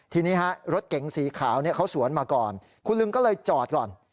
ทีนี้ฮะรถเก๋งสีขาวเขาสวนมาก่อนคุณลุงก็เลยจอดก่อน